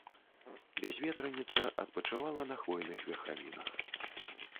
Бязветраніца адпачывала на хвойных верхавінах.